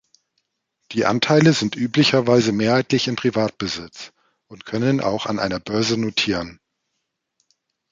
Die Anteile sind üblicherweise mehrheitlich in Privatbesitz und können auch an einer Börse notieren.